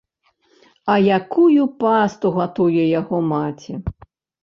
А якую пасту гатуе яго маці!